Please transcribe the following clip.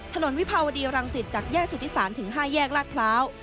วิภาวดีรังสิตจากแยกสุธิศาลถึง๕แยกลาดพร้าว